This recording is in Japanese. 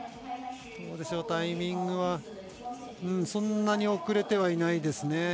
タイミングはそんなに遅れてはいないですね。